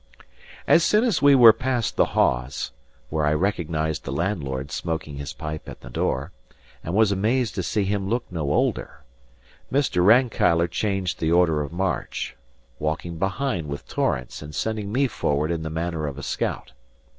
As soon as we were past the Hawes (where I recognised the landlord smoking his pipe in the door, and was amazed to see him look no older) Mr. Rankeillor changed the order of march, walking behind with Torrance and sending me forward in the manner of a scout.